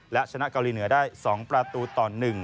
และชนะเกาหลีเหนือได้๒ประตูต่อ๑